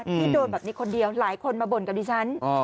ที่โดนแบบนี้คนเดียวหลายคนมาบ่นกับดิฉัน